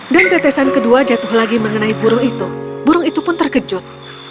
dan tetesan kedua jatuh lagi mengenai burung itu burung itu pun terkejut